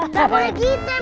nggak boleh gitu emang